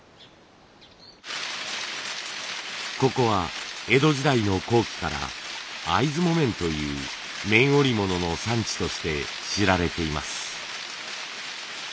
ここは江戸時代の後期から会津木綿という綿織物の産地として知られています。